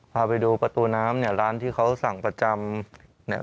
พาไปดูประตูน้ำเนี่ยร้านที่เขาสั่งประจำเนี่ย